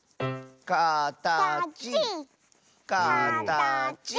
「かたちかたち」